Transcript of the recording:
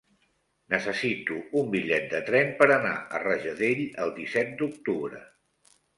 Necessito un bitllet de tren per anar a Rajadell el disset d'octubre.